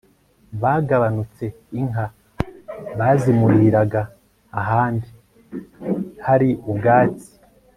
bugabanutse, inka bazimuriraga ahandi hari ubwatsi